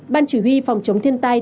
ban chủ huy phòng chống thiên tai